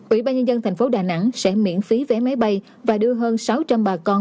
ủy ban nhân dân thành phố đà nẵng sẽ miễn phí vé máy bay và đưa hơn sáu trăm linh bà con